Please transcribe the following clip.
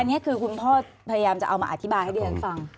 อันนี้คือคุณพ่อพยายามจะเอามาอธิบายให้ดิฉันฟัง